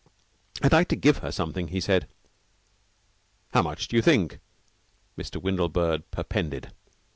"I'd like to give her something," he said. "How much do you think?" Mr. Windlebird perpended.